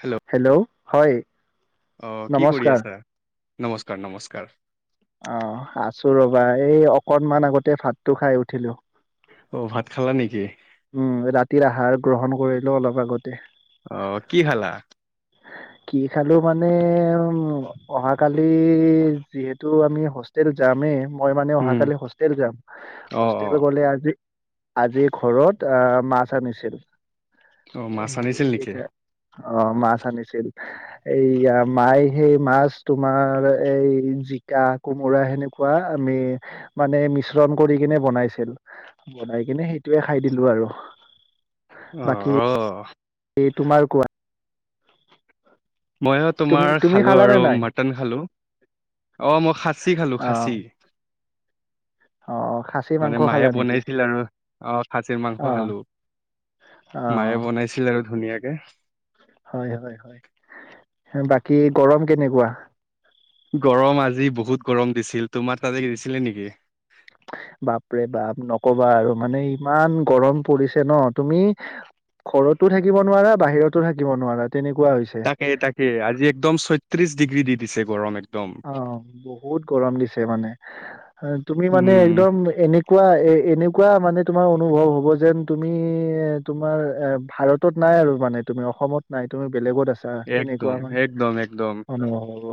Hello অহ কি কৰি নমস্কাৰ আছা নমস্কাৰ নমস্কাৰ কৰ অ আছো ৰবা এই অকনমান আগতে ভাতটো খাই উঠিলো অ ভাত খালা নেকি! উম ৰাতিৰ আহাৰ গ্ৰহণ কৰিলেো অলপ আগতে অহ কি খালা। কি খালো মানে উ অহাকালি যিহেতু আমি হোষ্টেল যামেই মই মানে অহা উম কালি হোষ্টেল যাম অ অ হোষ্টেল গলে আজি আজি ঘৰত আহ মাছ আনিছিল অ মাছ আনিছিল নেকি? অ মাছ এইয়া ম সেই মাছ তোমাৰ এই জিকা কোমোৰা সেনেকোৱা আমি মানে মিশ্ৰণ কৰি কিনে বনাইছিল বনাই কিনে সেইটোয়ে খাই দিলো আৰু অ অ এই তোমাৰ কোৱা মইয়ো তুমি তোমাৰ তুমি খালো খালানে আৰু নাই মাটন খালো অহ, মই খাচী খালো অ খাচী। অ খাচী মাংস মানে মায়ে খালা নেকি বনাইছিল আৰু অহ খাচী অ মাংস খালো। অ মায়ে বনাইছিল আৰু ধুনীয়াকে। হয়', - হয়', -হয়', বাকী গৰম কেনেকুৱা? গৰম আজি বহুত গৰম দিছিল তোমাৰ তাতে দিছিলে নেকি? বাপৰে বাপ নকবা আৰু মানে ইমান গৰম পৰিছে ন তুমি ঘৰতো থাকিব নোৱাৰা বাহিৰতো থাকিব নোৱাৰা। তেনেকুৱা হৈছে তাকে- তাকে আজি একদম ছয়ত্ৰিশ ডিগ্ৰী দি দিছে গৰমে। অহ, বহুত গৰম দিছে মানে। হা, তুমি মানে উম একদম এনে একোৱা এ এনেকুৱা মানে তোমাৰ অনুভৱ হ'ব যেন তুমি এ তোমাৰ এ ভাৰতত ন নাই আৰু মানে তুমি অসমত নাই তুমি বেলেগত আছা তেনেকুৱা একদম মান একদম একদম অনুভৱ হব।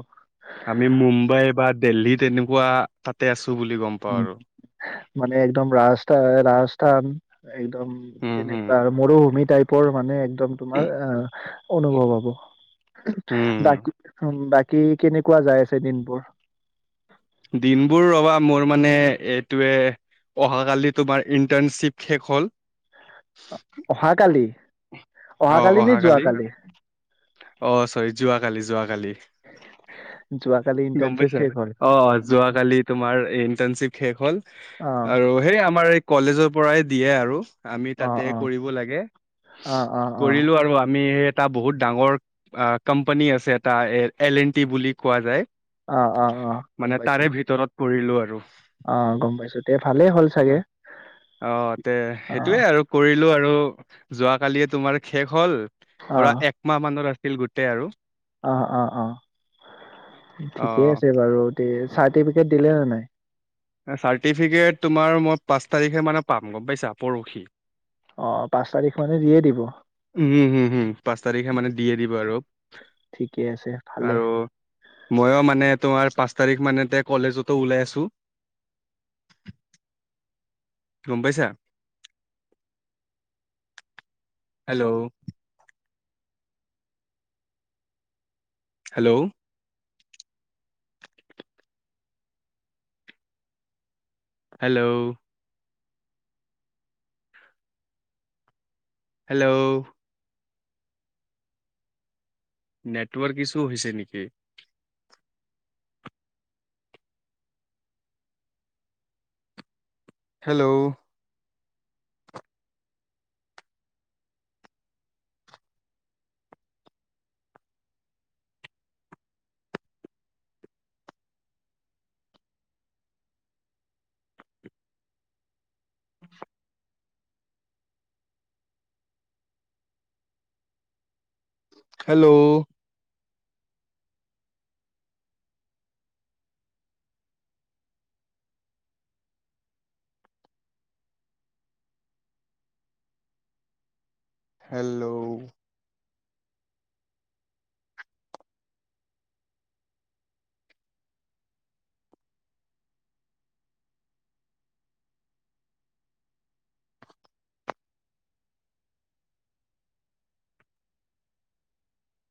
আমি মুম্বাই বা দিল্লী তেনেকুৱা তাতে আছো। বুলি গম পাওঁ উম, আৰু। মানে একদম ৰাস্তা- ৰাস্ত টান একদম উম, হুম, তেনেকুৱা আৰু মৰুভূমি টাইপৰ মানে একদম তোমাৰ আহ অনুভৱ হ'ব উম। বাকী- বাকী কি কেনেকুৱা যাই আছে দিনবোৰ? দিনবোৰ ৰবা মোৰ মানে এইটোৱে অহাকালি তোমাৰ ইণ্টাৰ্ণশ্বিপ শেষ হ'ল। অহাকালি -অহাকালি নে যোৱাকালি? অহ, চৰি যোৱা কালি -যোৱা কালি। যোৱা কালি গম পাইছে অ', যোৱা কালি তোমাৰ ইণ্টানৰ্শ্বিপ শেষ হ'ল অ আৰু সেই আমাৰ এই কলেজৰ পৰাই দিয়ে আৰু। আমি অ অ তাতে কৰিব লাগে অ অ অ কৰিলো আৰু আমি সেই এটা বহুত ডাঙৰ আ, কোম্পানী আছে এটা এ এল এন টি বুলি কোৱা যায়। অ', - অ', -অ', গম পাইছো। কৰিলোঁ আৰু। অ গম পাইছো তে ভালেই হ'ল চাগে অ অ তে অ সেইটোয়ে আৰু কৰিলো আৰু আৰু যোৱা কালিয়ে তোমাৰ শেষ হল পুৰা একমাহ মানৰ আছিল গোটেই আৰু অহ', - অহ', - অহ', অ ঠিকেই আছে বাৰু তে। চাৰ্টিফিকেট দিলে হয় নাই চাৰ্টিফিকেট তোমাৰ মই পাঁচ তাৰিখে মানে পাম গম পাইছা পৰখি। অহ, পাঁচ তাৰিখ মানে দিয়ে দিব। উম, হম- হম পাঁচ তাৰিখে মানে দিয়ে দিব আৰু। ঠিকে আছে ভালে আৰু মইয় মানে তোমাৰ পাঁচ তাৰিখ মানে তে কলেজতো ওলাই আছো। গম পাইছা hello, hello, hello, hello, network issue হৈছে নেকি? Hello, hello, hello,